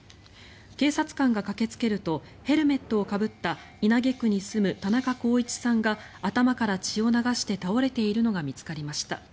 警察官が駆けつけるとヘルメットをかぶった稲毛区に住む田中幸一さんが頭から血を流して倒れているのが見つかりました。